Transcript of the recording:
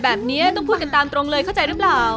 ข้าวเหนียวดำกินค่ะฉันค่ะ